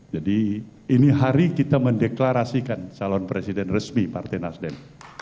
jadi ini hari kita mendeklarasikan calon presiden resmi partai nasdem